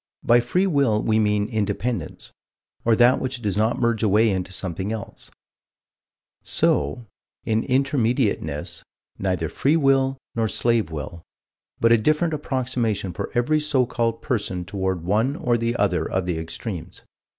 By free will we mean Independence or that which does not merge away into something else so, in Intermediateness, neither free will nor slave will but a different approximation for every so called person toward one or the other of the extremes.